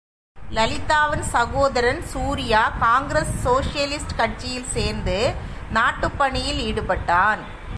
லலிதாவின் சகோதரன் சூரியா காங்கிரஸ் சோஷலிஸ்ட் கட்சியில் சேர்ந்து நாட்டுப் பணியில் ஈடுபட்டான்.